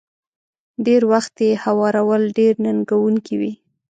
ډېری وخت يې هوارول ډېر ننګوونکي وي.